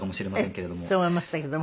そう思いましたけども。